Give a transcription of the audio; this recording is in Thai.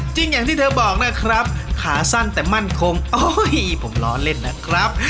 อย่างที่เธอบอกนะครับขาสั้นแต่มั่นคงโอ้ยผมล้อเล่นนะครับ